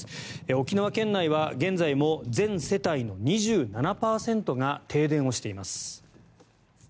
沖縄県内は現在も全世帯の２７％が停電をしています。